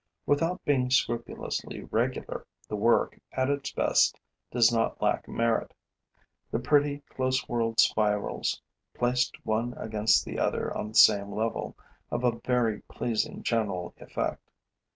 Without being scrupulously regular, the work, at its best, does not lack merit. The pretty, close whorled spirals, placed one against the other on the same level, have a very pleasing general effect.